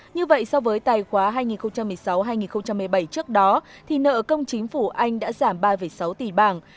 như vậy so với tài khoá hai nghìn một mươi sáu hai nghìn một mươi bảy trước đó nợ công chính phủ anh đã giảm ba sáu tỷ bảng